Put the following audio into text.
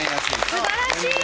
素晴らしい。